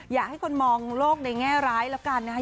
อยากให้คนมองโลกในแง่ร้ายแล้วกันนะคะ